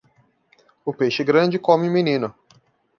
O peixe grande come o menino.